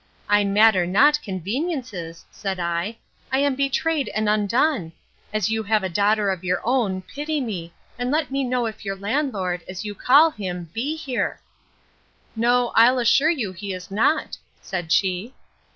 I matter not conveniences, said I: I am betrayed and undone! As you have a daughter of your own, pity me, and let me know if your landlord, as you call him, be here!—No, I'll assure you he is not, said she.